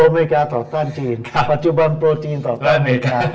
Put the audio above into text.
อเมริกาต่อต้านจีนปัจจุบันโปรจีนต่อต้านอเมริกา